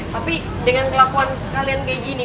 tapi dengan kelakuan kalian kayak gini